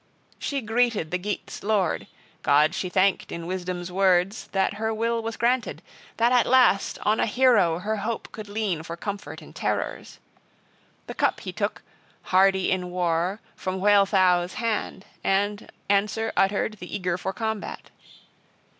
She greeted the Geats' lord, God she thanked, in wisdom's words, that her will was granted, that at last on a hero her hope could lean for comfort in terrors. The cup he took, hardy in war, from Wealhtheow's hand, and answer uttered the eager for combat.